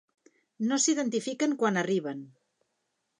No s'identifiquen quan arriben.